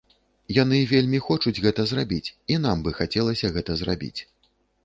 Яны вельмі хочуць гэта зрабіць, і нам бы хацелася гэта зрабіць.